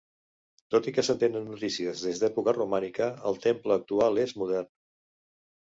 Tot i que se'n tenen notícies des d'època romànica, el temple actual és modern.